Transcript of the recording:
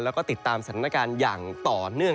แล้วก็ติดตามสถานการณ์อย่างต่อเนื่อง